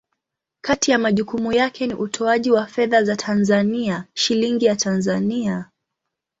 Kati ya majukumu yake ni utoaji wa fedha za Tanzania, Shilingi ya Tanzania.